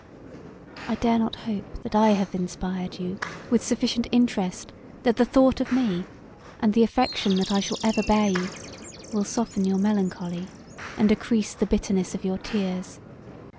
I dare not hope that I have inspired you with sufficient interest that the thought of me, and the affection that I shall ever bear you, will soften your melancholy and decrease the bitterness of your tears.